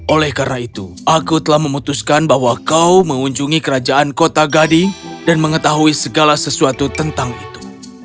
oleh karena itu aku telah memutuskan bahwa kau mengunjungi kerajaan kota gading dan mengetahui segala sesuatu tentang itu